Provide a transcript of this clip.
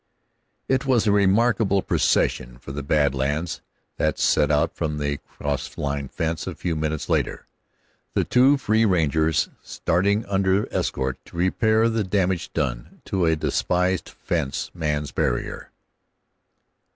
It was a remarkable procession for the Bad Lands that set out from the cross line fence a few minutes later, the two free rangers starting under escort to repair the damage done to a despised fence man's barrier.